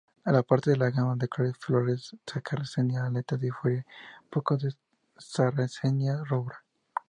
Aparte de la gama de colores florales, "Sarracenia alata" difiere poco de "Sarracenia rubra".